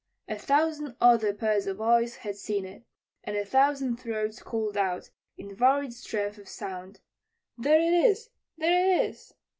A thousand other pairs of eyes had seen it, and a thousand throats called out, in varied strength of sound: "There it is! There it is!"